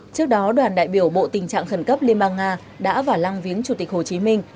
trước đó đoàn đại biểu bộ tình trạng khẩn cấp liên bang nga đã vào lăng viếng chủ tịch hồ chí minh